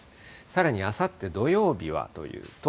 さらにあさって土曜日はというと。